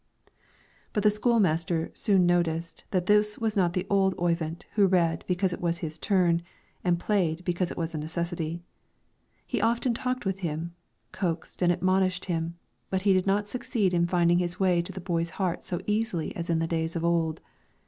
But the school master soon noticed that this was not the old Oyvind who read because it was his turn, and played because it was a necessity. He often talked with him, coaxed and admonished him; but he did not succeed in finding his way to the boy's heart so easily as in days of old.